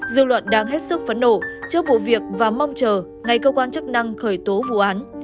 dư luận đang hết sức phấn nổ trước vụ việc và mong chờ ngày cơ quan chức năng khởi tố vụ án